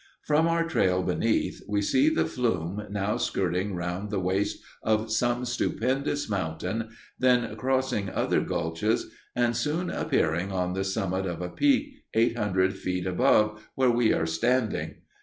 From our trail beneath we see the flume now skirting round the waist of some stupendous mountain, then crossing other gulches, and soon appearing on the summit of a peak, eight hundred feet above where we are standing.